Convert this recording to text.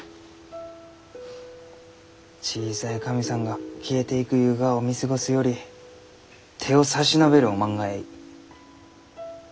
小さい神さんが消えていくゆうがを見過ごすより手を差し伸べるおまんがえい。